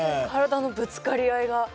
体のぶつかり合いが。